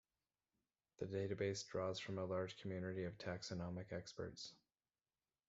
The database draws from a large community of taxonomic experts.